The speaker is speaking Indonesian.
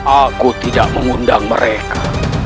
aku tidak mengundang mereka